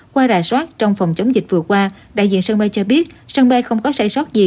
qua rà soát trong phòng chống dịch vừa qua đại diện sân bay cho biết sân bay không có say sót gì